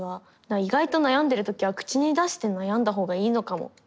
意外と悩んでるときは口に出して悩んだ方がいいのかも。